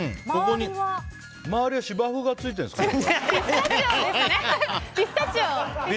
周りは芝生がついてるんですか？